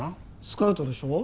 スカウトでしょ？